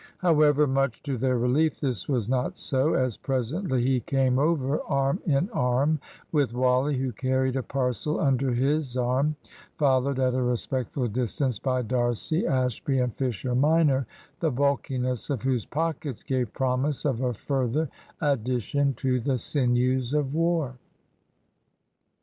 However, much to their relief, this was not so; as presently he came over arm in arm with Wally (who carried a parcel under his arm), followed at a respectful distance by D'Arcy, Ashby, and Fisher minor, the bulkiness of whose pockets gave promise of a further addition to the sinews of war.